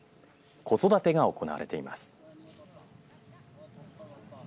子育てが行われています。